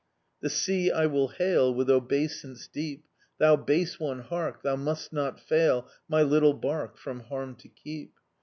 The sea I will hail With obeisance deep: "Thou base one, hark! Thou must not fail My little barque From harm to keep!"